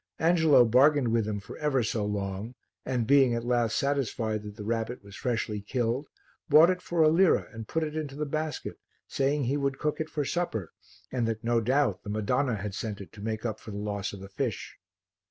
Angelo bargained with him for ever so long and, being at last satisfied that the rabbit was freshly killed, bought it for a lira and put it into the basket, saying he would cook it for supper, and that no doubt the Madonna had sent it to make up for the loss of the fish.